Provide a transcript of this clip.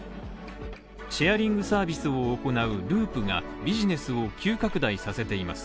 シェアリングサービスを行うＬＵＵＰがビジネスを急拡大させています。